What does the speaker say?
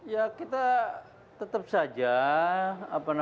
ya kita tetap saja apa namanya